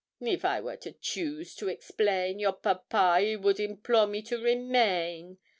'If I were to choose to explain, your papa he would implore me to remain.